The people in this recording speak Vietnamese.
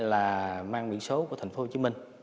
là mang biển số của thành phố hồ chí minh